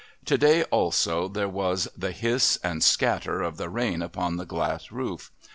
To day also there was the hiss and scatter of the rain upon the glass roof.